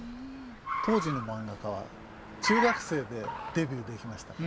当時のマンガ家は中学生でデビューできましたから。